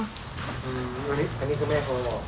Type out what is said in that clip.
อันนี้คือแม่โทรบอก